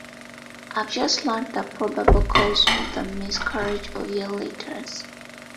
I have just learnt the probable cause of the miscarriage of your letters.